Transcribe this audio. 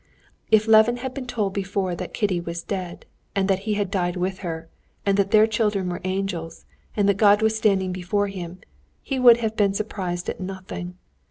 If Levin had been told before that Kitty was dead, and that he had died with her, and that their children were angels, and that God was standing before him, he would have been surprised at nothing.